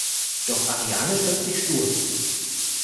Doch Ariane stellt sich stur.